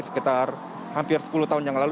sekitar hampir sepuluh tahun yang lalu